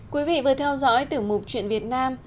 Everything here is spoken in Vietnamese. quý vị vừa theo dõi tiểu mục chuyện việt nam